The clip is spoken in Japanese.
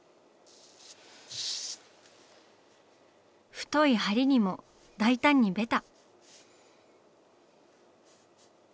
太い梁にも大胆にベタ。